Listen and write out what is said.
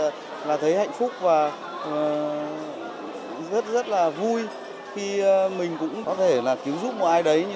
thật là thấy hạnh phúc và rất rất là vui khi mình cũng có thể là cứu giúp một ai đấy